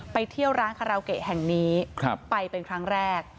ไปเที่ยวร้านคาราโอเกะแห่งนี้ไปเป็นครั้งแรก